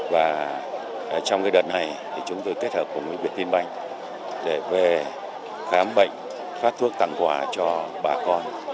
và trong đợt này thì chúng tôi kết hợp cùng với việt tim banh để về khám bệnh phát thuốc tặng quà cho bà con